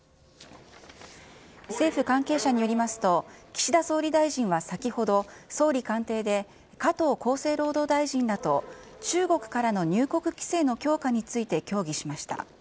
政府関係者によりますと、岸田総理大臣は先ほど、総理官邸で、加藤厚生労働大臣らと中国からの入国規制の強化について協議しました。